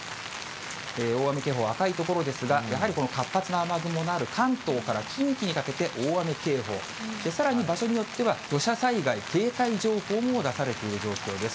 大雨警報は赤い所ですが、やはりこの活発な雨雲のある関東から近畿にかけて、大雨警報、さらに場所によっては、土砂災害警戒情報も出されている状況です。